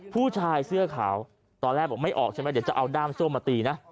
ผู้ชายเสื้อขาวตอนแรกบอกไม่ออกใช่ไหมเดี๋ยวจะเอาด้ามโซ่มาตีนะ